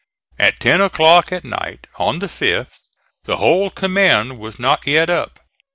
At ten o'clock at night, on the 5th, the whole command was not yet up.